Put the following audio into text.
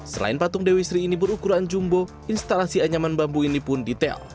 selain patung dewi sri ini berukuran jumbo instalasi anyaman bambu ini pun detail